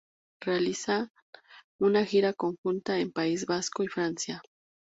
Realizan una gira conjunta en País Vasco y Francia.